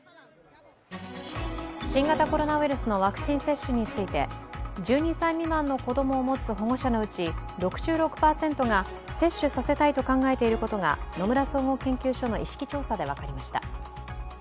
新型コロナウイルスのワクチン接種について、１２歳未満の子供を持つ保護者のうち６６％が接種させたいと考えていることが、野村総合研究所の意識調査で分かりました。